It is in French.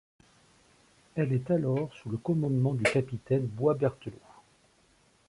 Elle est alors sous le commandement du capitaine Boisbertelot.